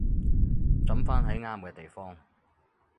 抌返喺啱嘅地方